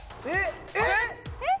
えっ？えっ？